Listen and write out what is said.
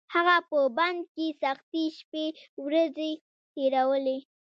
هغه په بند کې سختې شپې ورځې تېرولې.